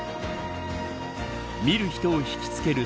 見る人を引きつける。